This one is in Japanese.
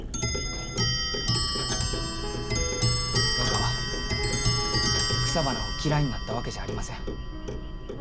若は草花を嫌いになったわけじゃありません。